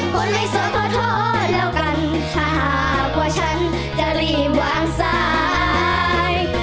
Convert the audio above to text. คนไม่สดขอโทษแล้วกันถ้าหากว่าฉันจะรีบวางสาย